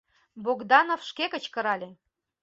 Богданов шке кычкырале: